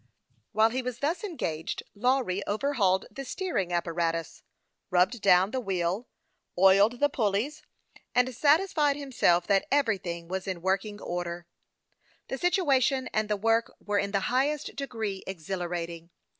While he was thus engaged, Lawry overhauled the steering apparatus, rubbed down the wheel, oiled the pulleys, and satisfied himself that every thing was in working order. The situation and the work were in the highest degree exhilarating.